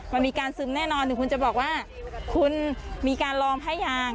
มันมีการซึมแน่นอนหรือคุณจะบอกว่าคุณมีการลองผ้ายาง